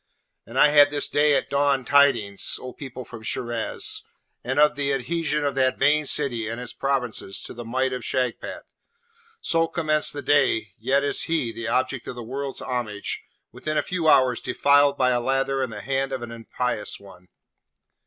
And I had this day at dawn tidings, O people, from Shiraz, and of the adhesion of that vain city and its provinces to the might of Shagpat! So commenced the day, yet is he, the object of the world's homage, within a few hours defiled by a lather and the hand of an impious one!'